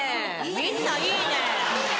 みんないいね！